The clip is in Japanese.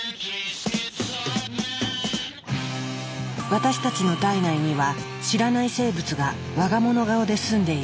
私たちの体内には知らない生物が我が物顔ですんでいる。